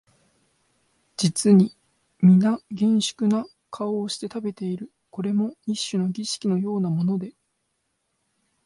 実にみな厳粛な顔をして食べている、これも一種の儀式のようなもので、